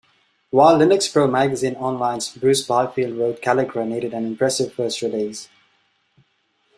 While Linux Pro Magazine Online's Bruce Byfield wrote Calligra needed an impressive first release.